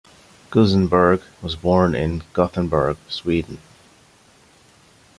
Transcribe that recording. Kusenberg was born in Gothenburg, Sweden.